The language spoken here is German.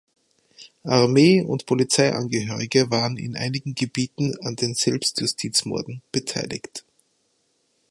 Armee- und Polizeiangehörige waren in einigen Gebieten an den Selbstjustiz-Morden beteiligt.